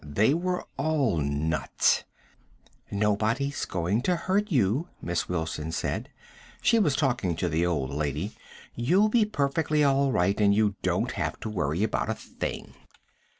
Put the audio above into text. They were all nuts. "Nobody's going to hurt you," Miss Wilson said. She was talking to the old lady. "You'll be perfectly all right and you don't have to worry about a thing."